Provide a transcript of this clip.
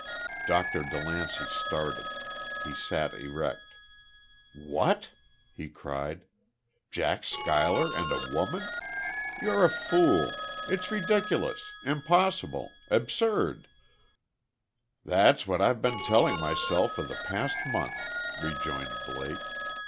Doctor DeLancey started. He sat erect. "What!" he cried. "Jack Schuyler and a woman? You're a fool! It's ridiculous impossible absurd!" "That's what I've been telling myself for the past month," rejoined Blake....